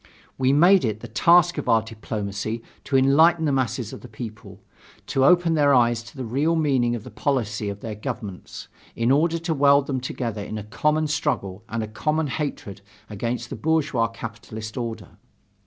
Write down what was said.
We made it the task of our diplomacy to enlighten the masses of the peoples, to open their eyes to the real meaning of the policy of their governments, in order to weld them together in a common struggle and a common hatred against the bourgeois capitalist order.